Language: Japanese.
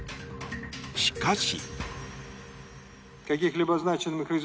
しかし。